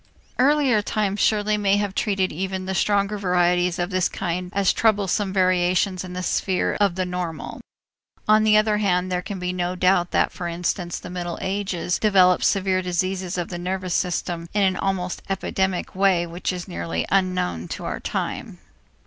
Earlier times surely may have treated even the stronger varieties of this kind as troublesome variations in the sphere of the normal. On the other hand, there can be no doubt that, for instance, the Middle Ages developed severe diseases of the nervous system in an almost epidemic way which is nearly unknown to our time.